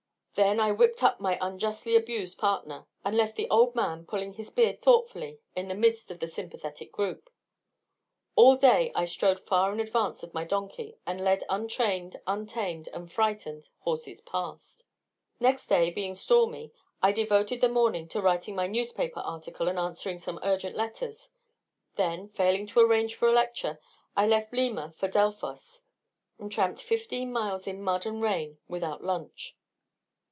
Then I whipped up my unjustly abused partner, and left the old man pulling his beard thoughtfully in the midst of the sympathetic group. All day I strode far in advance of my donkey and led untrained, untamed, and frightened horses past. Next day being stormy, I devoted the morning to writing my newspaper article and answering some urgent letters; then, failing to arrange for a lecture, I left Lima for Delphos, and tramped fifteen miles in mud and rain without lunch.